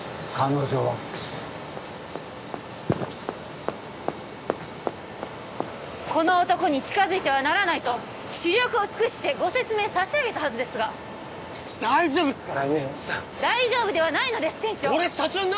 彼女はこの男に近づいてはならないと死力を尽くしてご説明差し上げたはずですが大丈夫ですから宮本さん大丈夫ではないのです店長！